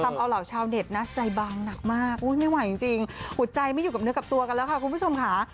ทำเอาเหล่าชาวเน็ตนะใจบางหนักมากไม่ไหวจริงหัวใจไม่อยู่กับเนื้อกับตัวกันแล้วค่ะคุณผู้ชมค่ะ